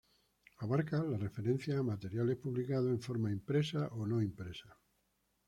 Abarca las referencias a materiales publicados en forma impresa o no impresa.